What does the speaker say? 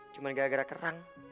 cuman gara gara kerang